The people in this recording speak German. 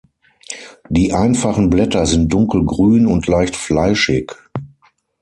Die einfachen Blätter sind dunkelgrün und leicht fleischig.